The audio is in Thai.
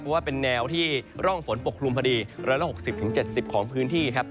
เพราะว่าเป็นแนวที่ร่องฝนปกคลุมพอดี๑๖๐๗๐ของพื้นที่ครับ